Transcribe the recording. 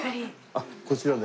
あっこちらで。